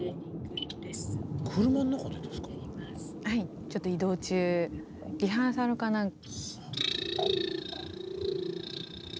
はいちょっと移動中リハーサルかな。